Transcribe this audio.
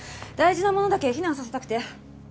大事なものだけ避難させたくて。